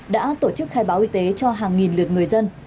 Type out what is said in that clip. đã tổ chức khai báo y tế cho hàng nghìn lượt người dân